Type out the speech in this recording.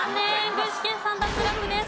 具志堅さん脱落です。